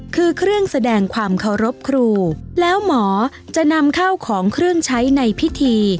คือเครื่องแสดงความเคารพครูแล้วหมอจะนำเข้าของเครื่องใช้ในพิธี